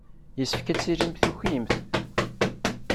Yessefk ad tilimt tukimt.